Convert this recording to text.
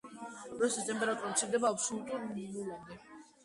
როდესაც ტემპერატურა მცირდება აბსოლიტურ ნულამდე.